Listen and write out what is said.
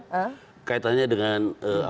saya kaitannya dengan